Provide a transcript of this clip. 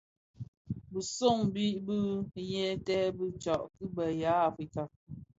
Bisobi bi yeten bi tsak ki be ya Afrika,